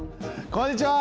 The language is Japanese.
こんにちは！